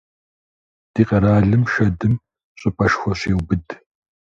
Ди къэралым шэдым щӀыпӀэшхуэ щеубыд.